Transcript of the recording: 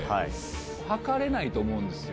測れないと思うんですよ。